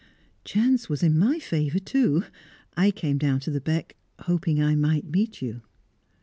"Chance was in my favour, too. I came down to the beck, hoping I might meet you."